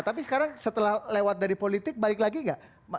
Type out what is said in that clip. tapi sekarang setelah lewat dari politik balik lagi nggak